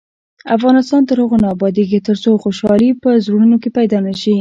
افغانستان تر هغو نه ابادیږي، ترڅو خوشحالي په زړونو کې پیدا نشي.